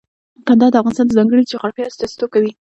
کندهار د افغانستان د ځانګړي جغرافیه استازیتوب کوي.